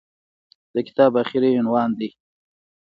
د کتاب اخري عنوان دى.